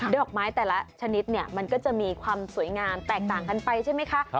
ดอกไม้แต่ละชนิดเนี่ยมันก็จะมีความสวยงามแตกต่างกันไปใช่ไหมคะ